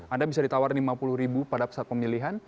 anda bisa ditawar lima puluh ribu pada saat pemilihan